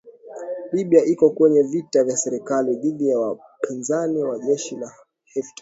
Libya iko kwenye vita vya serikali dhidi ya wapinzani wa jeshi la Hafter